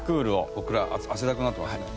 僕ら汗だくになってますね。